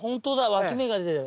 わき芽が出てる。